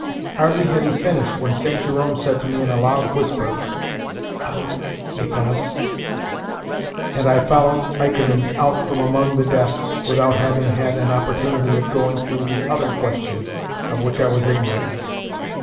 Hardly had he finished when St. Jerome said to me in a loud whisper, "A vous, Nicolas," and I followed Ikonin out from among the desks without having had an opportunity of going through the OTHER question of which I was ignorant.